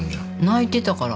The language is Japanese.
泣いてたから。